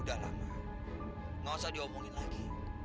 udah lah ma nggak usah diomongin lagi